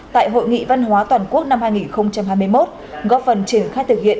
tại hội nghị văn hóa toàn quốc năm hai nghìn hai mươi một góp phần triển khai thực hiện